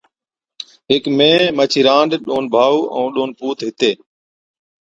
هيڪ مين مانڇِي رانڏ، ڏون ڀائُو، ائُون ڏون پُوت هِتي۔